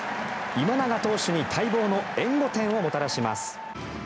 今永投手に待望の援護点をもたらします。